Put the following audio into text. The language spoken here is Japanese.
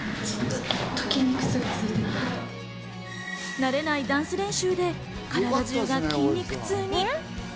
慣れないダンス練習で体中が筋肉痛に。